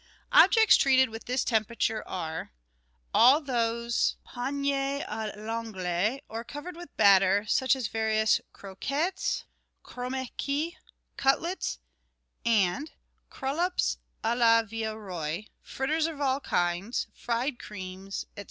Objects treated with this temperature are : all those panes a I'anglaise or covered with batter, such as various croquettes, cromesquis, cutlets, and collops k la Villeroy, fritters of all kinds, fried creams, &c.